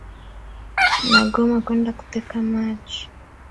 Nagoma kwenda kuteka maji.